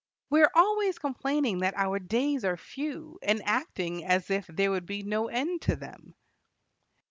We are always complaining that our days are few, and acting as if there would be no end to them."